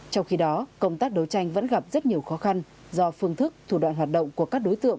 trong khi đó công tác đấu tranh vẫn gặp rất nhiều khó khăn do phương thức thủ đoạn hoạt động của các đối tượng